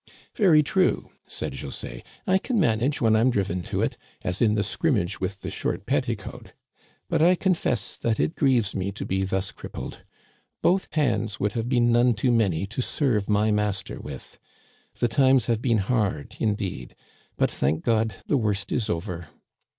" Very true," said José. " I can manage when I'm driven to it, as in the scrimmage with the * short petti coat '; but I confess that it grieves me to be thus crippled. Both hands would have been none too many to serve my master with. The times have been hard, indeed ; but, thank God, the worst is over."